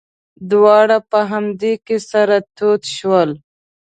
دواړه په همدې کې سره تود شول.